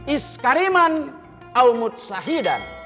iskariman awmud sahidan